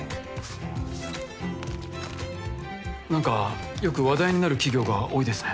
何かよく話題になる企業が多いですね。